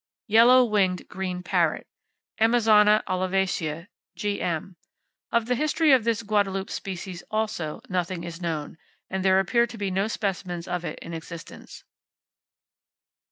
Yellow Winged Green Parrot, —Amazona olivacea, (Gm.).—Of the history of this Guadeloupe species, also, nothing is known, and there appear to be no specimens of it in existence.